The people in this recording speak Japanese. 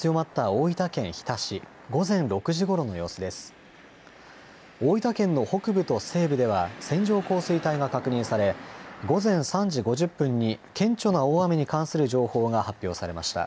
大分県の北部と西部では線状降水帯が確認され、午前３時５０分に、顕著な大雨に関する情報が発表されました。